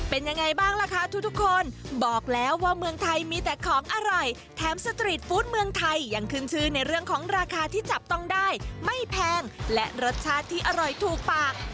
เป็นยังไงบ้างล่ะคะทุกคนบอกแล้วว่าเมืองไทยมีแต่ของอร่อยแถมสตรีทฟู้ดเมืองไทยยังขึ้นชื่อในเรื่องของราคาที่จับต้องได้ไม่แพงและรสชาติที่อร่อยถูกปาก